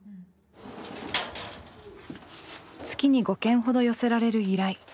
月に５件ほど寄せられる依頼。